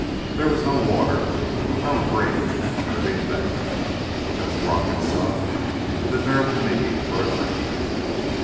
There was no water, no green of living things—just rock and sun and the terrible need for a drink.